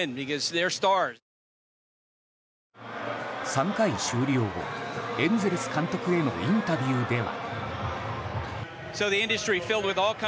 ３回終了後エンゼルス監督へのインタビューでは。